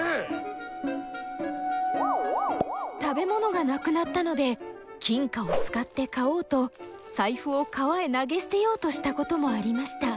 食べ物がなくなったので金貨を使って買おうと財布を川へ投げ捨てようとしたこともありました。